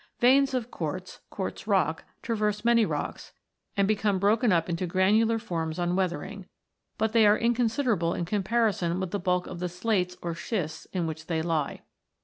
Veins of quartz (quartz rock) traverse many rocks, and become broken up into granular forms on weathering ; but they are inconsiderable in comparison with the bulk of the slates or schists in which they lie.